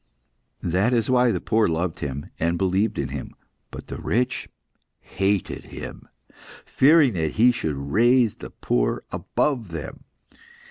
"That is why the poor loved Him, and believed in Him. But the rich hated Him; fearing that He should raise the poor above them.